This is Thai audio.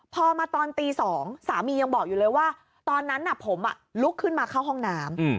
พอมาตอนตี๒สามียังบอกอยู่เลยว่าตอนนั้นผมลุกขึ้นมาเข้าห้องน้ำ